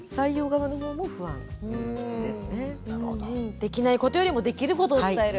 できないことよりもできることを伝える。